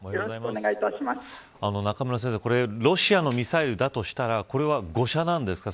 ロシアのミサイルだとしたらこれは誤射なんですか。